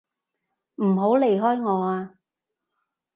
唔好離開我啊！